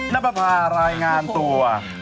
ณปภารายงานตัว